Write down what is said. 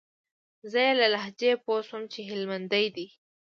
زه يې له لهجې پوه سوم چې هلمندى دى.